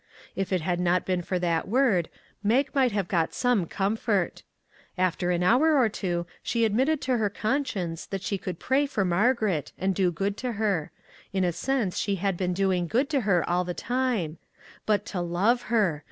If it had not been for that word, Mag might have got some comfort. After an hour or two, she admitted to her conscience that she could pray for Margaret, and do good to her; in a sense she had been doing good to her all the time but to love her!